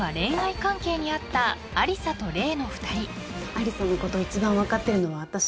「アリサのことを一番分かってるのは私」